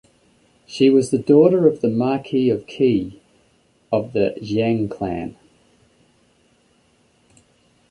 She was the daughter of the Marquis of Qi of the Jiang clan.